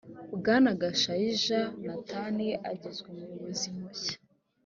bwana gashayija nathan agizwe umuyobozi mushya